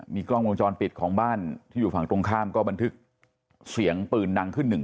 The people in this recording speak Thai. กล้องวงจรปิดของบ้านที่อยู่ฝั่งตรงข้ามก็บันทึกเสียงปืนดังขึ้นหนึ่ง